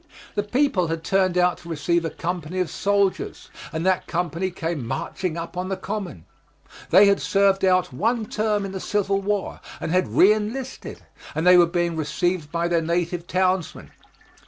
The people had turned out to receive a company of soldiers, and that company came marching up on the Common. They had served out one term in the Civil War and had reënlisted, and they were being received by their native townsmen.